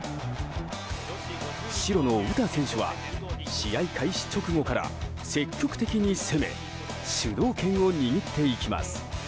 白の詩選手は試合開始直後から積極的に攻め主導権を握っていきます。